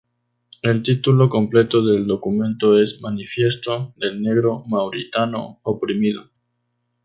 El título completo del documento es: "Manifiesto del Negro Mauritano oprimido.